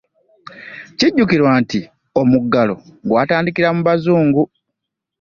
Kijjukirwa nti mu omuggalo gwatandikira mu bazungu.